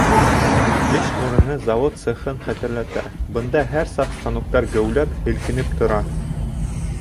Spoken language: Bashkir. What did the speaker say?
Эш урыны завод цехын хәтерләтә: бында һәр саҡ станоктар геүләп, һелкенеп тора.